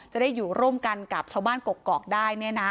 จะได้อยู่ร่วมกันกับชาวบ้านปกกอกได้